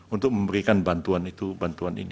untuk memberikan bantuan itu bantuan ini